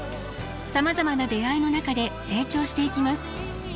さまざまな出会いの中で成長していきます。